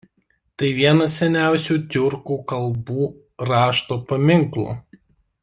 Tai vienas seniausių tiurkų kalbų rašto paminklų.